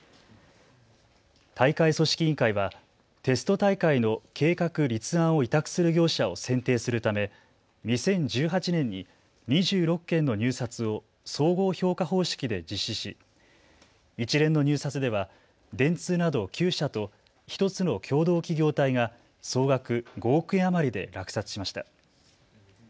大会組織委員会はテスト大会の計画立案を委託する業者を選定するため、２０１８年に２６件の入札を総合評価方式で実施し一連の入札では電通など９社と１つの共同企業体が総額５億円余りで落札しました。